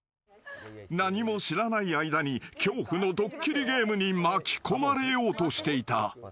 ［何も知らない間に恐怖のドッキリゲームに巻き込まれようとしていた］